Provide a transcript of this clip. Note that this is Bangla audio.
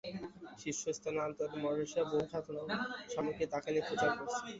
শীর্ষস্থানীয় আন্তর্জাতিক মডেল হিসেবে বহু খ্যাতনামা সাময়িকী তাঁকে নিয়ে ফিচার করেছে।